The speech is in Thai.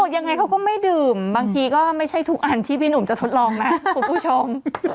ยังไงเขาก็ไม่ดื่มบางทีก็ไม่ใช่ทุกอันที่พี่หนุ่มจะทดลองนะคุณผู้ชม